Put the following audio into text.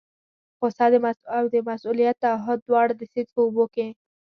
غوسه او د مسؤلیت تعهد دواړه د سیند په اوبو کې.